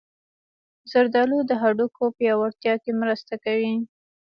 زردالو د هډوکو پیاوړتیا کې مرسته کوي.